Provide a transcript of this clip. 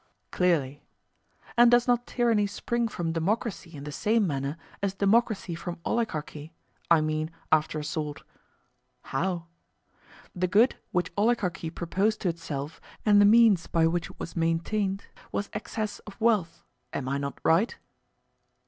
Clearly. And does not tyranny spring from democracy in the same manner as democracy from oligarchy—I mean, after a sort? How? The good which oligarchy proposed to itself and the means by which it was maintained was excess of wealth—am I not right?